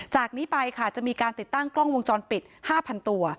จากนี้ไปค่ะจะมีการติดตั้งกล้องวงจรปิด๕๐๐๐ตัว